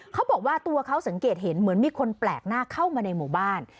เขาบอกว่าตัวเขาสังเกตเห็นเหมือนมีคนแปลกหน้าเข้ามาในหมู่บ้าน